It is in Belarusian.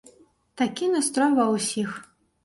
Такі настрой ва ўсіх.